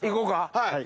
はい！